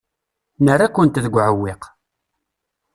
Nerra-kent deg uɛewwiq.